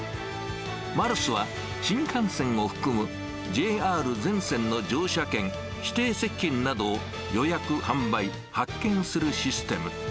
マルスは、新幹線を含むＪＲ全線の乗車券、指定席券などを、予約、販売、発券するシステム。